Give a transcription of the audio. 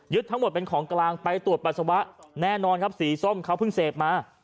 ทั้งหมดเป็นของกลางไปตรวจปัสสาวะแน่นอนครับสีส้มเขาเพิ่งเสพมา